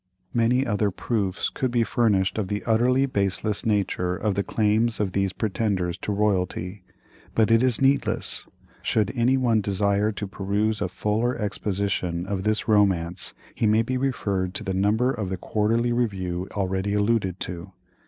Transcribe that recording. Many other proofs could be furnished of the utterly baseless nature of the claims of these pretenders to royalty, but it is needless; should any one desire to peruse a fuller exposition of this romance he may be referred to the number of the Quarterly Review already alluded to.